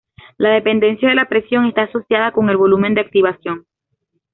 La dependencia de la presión está asociada con el volumen de activación.